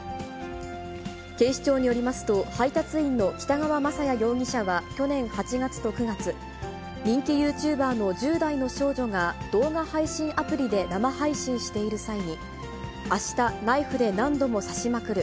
警視庁によりますと、配達員の北川真也容疑者は去年８月と９月、人気ユーチューバーの１０代の少女が動画配信アプリで生配信している際に、あした、ナイフで何度も刺しまくる。